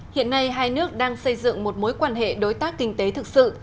hiện nay hai nước đang xây dựng một mối quan hệ đối tác kinh tế thực sự